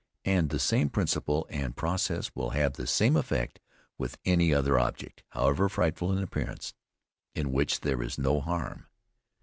And the same principle and process will have the same effect with any other object, however frightful in appearance, in which there is no harm.